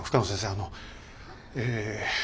あのええ。